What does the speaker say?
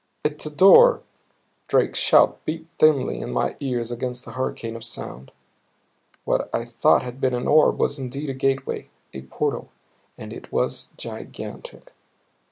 "It's a door," Drake's shout beat thinly in my ears against the hurricane of sound. What I thought had been an orb was indeed a gateway, a portal; and it was gigantic.